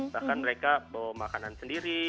bahkan mereka bawa makanan sendiri